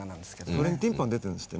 それにティン・パン出てるんですってね。